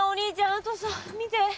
あとさ見て。